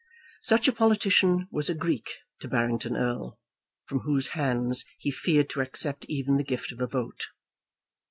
Such a politician was a Greek to Barrington Erle, from whose hands he feared to accept even the gift of a vote.